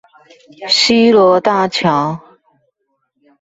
西螺大橋